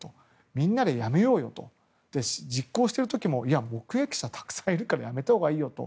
みんなでやめようよと実行してる時もいや、目撃者がたくさんいるからやめたほうがいいと。